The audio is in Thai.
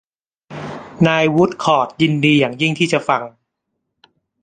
นายวูดคอร์ทยินดีอย่างยิ่งที่จะฟัง